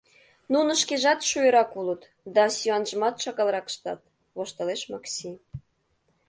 — Нуно шкежат шуэрак улыт да сӱанжымат шагалрак ыштат, — воштылеш Макси.